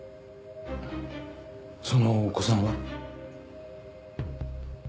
そのお子さんは？